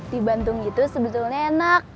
di bantung itu sebetulnya enak